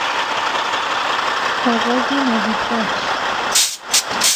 آغازی نوید بخش